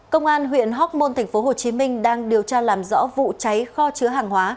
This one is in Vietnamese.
công an huyện hóc môn tp hcm đang điều tra làm rõ vụ cháy kho chứa hàng hóa